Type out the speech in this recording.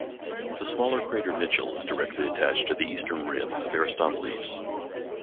The smaller crater Mitchell is directly attached to the eastern rim of Aristoteles.